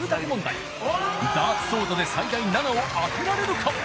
問題ダーツソードで最大７を当てられるか？